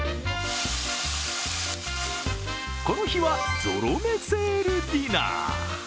この日はゾロ目セールディナー。